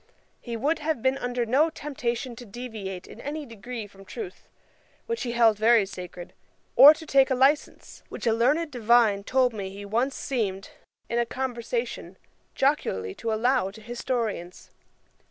He would have been under no temptation to deviate in any degree from truth, which he held very sacred, or to take a licence, which a learned divine told me he once seemed, in a conversation, jocularly to allow to historians.